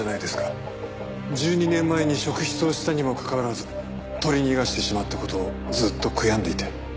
１２年前に職質をしたにもかかわらず取り逃がしてしまった事をずっと悔やんでいて。